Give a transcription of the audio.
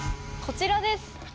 こちらです！